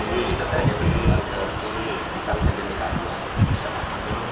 bisa saja berkembang tapi kita tidak bisa mengadukan